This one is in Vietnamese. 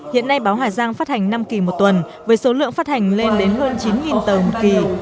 hiện nay báo hà giang phát hành năm kỳ một tuần với số lượng phát hành lên đến hơn chín tờ một kỳ